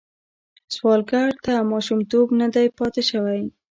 سوالګر ته ماشومتوب نه دی پاتې شوی